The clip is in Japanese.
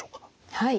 はい。